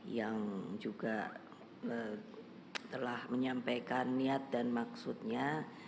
yang juga telah menyampaikan niat dan maksudnya